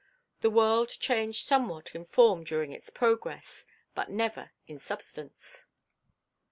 The world changed somewhat in form during its progress, but never in substance.